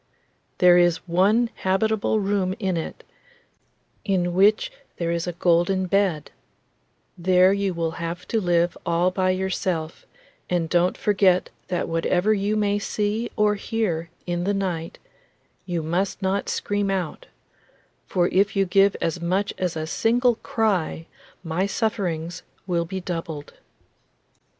There is one habitable room in it, in which there is a golden bed; there you will have to live all by yourself, and don't forget that whatever you may see or hear in the night you must not scream out, for if you give as much as a single cry my sufferings will be doubled.